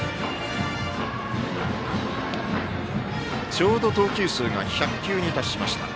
ちょうど投球数が１００球に達しました。